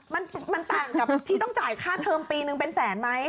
มันต่างกับที่ต้องจ่ายค่าเทอมปีนึงเป็นแสนไหม